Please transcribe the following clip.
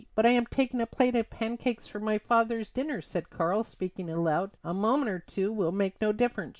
"But I am taking a plate of pancakes for my father's dinner," said Karl speaking aloud. "A moment or two will make no difference.